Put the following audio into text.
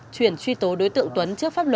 chuyển truy tố đối tượng tuấn